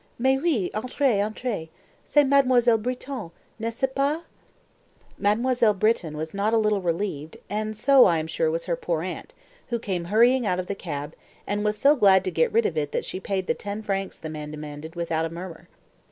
Mais oui, entrez, entrez. C'est Mademoiselle Britton, n'est ce pas?" Mademoiselle Britton was not a little relieved, and so, I am sure, was her poor aunt, who came hurrying out of the cab, and was so glad to get rid of it that she paid the ten francs the man demanded without a murmur.